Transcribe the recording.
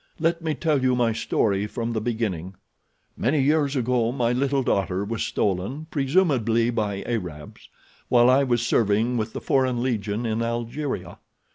"Let me tell you my story from the beginning. Many years ago my little daughter was stolen, presumably by Arabs, while I was serving with the Foreign Legion in Algeria.